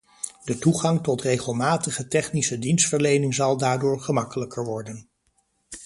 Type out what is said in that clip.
De toegang tot regelmatige technische dienstverlening zal daardoor gemakkelijker worden.